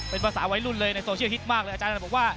เป็นภาษาวัยรุ่นเลยในโซเชียลฮิตมากเลยอาจารย์บอกว่า